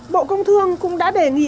bộ công thương cũng đã đề nghị